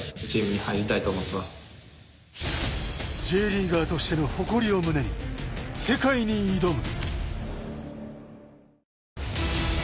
Ｊリーガーとしての誇りを胸に世界に挑む。